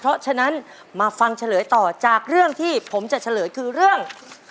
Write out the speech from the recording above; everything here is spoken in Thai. เพราะฉะนั้นมาฟังเฉลยต่อจากเรื่องที่ผมจะเฉลยคือเรื่อง